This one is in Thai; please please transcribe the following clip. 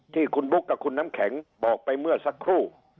ที่คุณบุ๊คกับคุณน้ำแข็งบอกไปเมื่อสักครู่